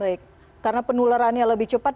baik karena penularannya lebih cepat